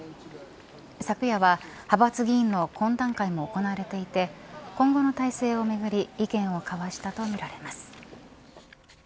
昨夜は派閥議員の懇談会も行われていて今後の体制をめぐり意見を交わしたとみられます。